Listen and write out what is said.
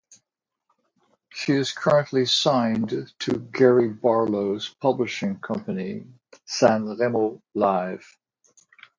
She is currently signed to Gary Barlow's publishing company San Remo Live.